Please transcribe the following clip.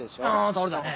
倒れたね。